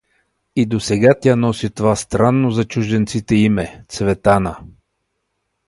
И досега тя носи това странно за чужденците име: „Цветана“.